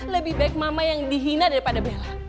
lebih baik mama yang dihina daripada bella